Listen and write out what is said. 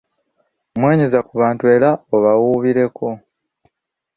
Mwenyeza ku bantu era obawuubireko.